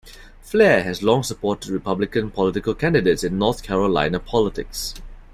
Flair has long supported Republican political candidates in North Carolina politics.